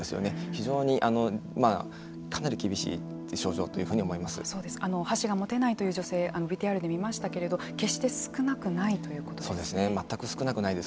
非常に、かなり厳しい症状箸が持てないという女性ＶＴＲで見ましたけれども決して全く少なくないですね。